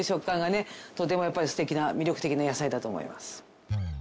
とてもやっぱりすてきな魅力的な野菜だと思います。